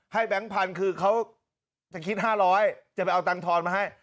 ให้แบงค์พันคือเขาจะคิดห้าร้อยจะไปเอาตังค์ทอนมาให้